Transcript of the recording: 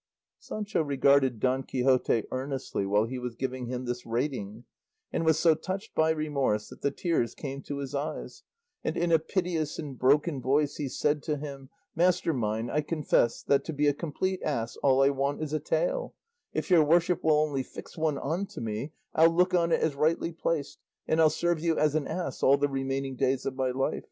Sancho regarded Don Quixote earnestly while he was giving him this rating, and was so touched by remorse that the tears came to his eyes, and in a piteous and broken voice he said to him, "Master mine, I confess that, to be a complete ass, all I want is a tail; if your worship will only fix one on to me, I'll look on it as rightly placed, and I'll serve you as an ass all the remaining days of my life.